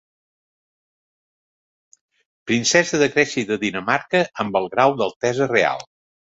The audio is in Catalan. Princesa de Grècia i de Dinamarca amb el grau d'altesa reial.